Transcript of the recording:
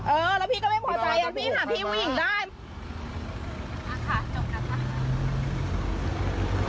เออแล้วพี่ก็ไม่พอใจอ่ะพี่หาพี่ผู้หญิงได้อ่าค่ะจบนะคะ